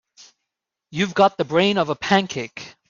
You've got the brain of a pancake.